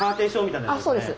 そうです！